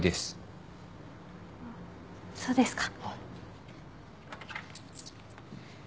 そうですか。